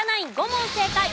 ５問正解。